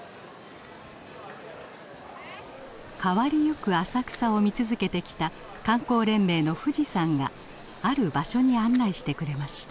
変わりゆく浅草を見続けてきた観光連盟の冨士さんがある場所に案内してくれました。